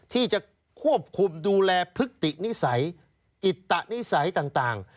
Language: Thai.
ที่จะควบคุมดูแลพฤตินิสัยจิตนิสัยต่าง